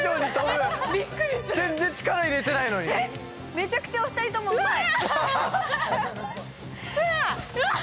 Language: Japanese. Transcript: めちゃくちゃお二人ともうまい。